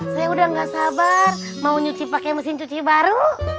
saya udah gak sabar mau nyuci pakai mesin cuci baru